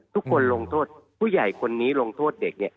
ทุกคนลงโทษผู้ใหญ่คนนี้ลงโทษเด็กเนี่ย